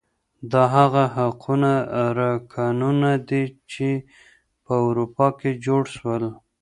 دا هغه حقوقي رکنونه دي چي په اروپا کي جوړ سول.